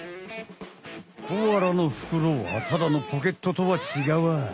コアラのふくろはただのポケットとはちがうわい。